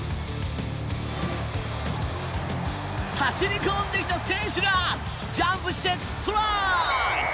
走り込んできた選手がジャンプしてトライ！